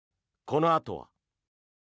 このあとは。